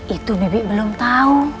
itu bibik belum tahu